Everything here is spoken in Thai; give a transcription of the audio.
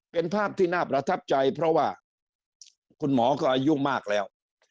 เป็นภาพที่น่าประทับใจเพราะว่าคุณหมอก็อายุมากแล้ว